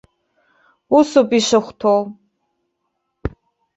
Усоуп ишахәҭоу.